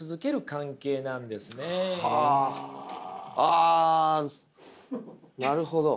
あなるほど。